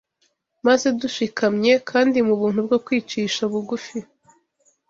maze dushikamye, kandi mu buntu bwo kwicisha bugufi,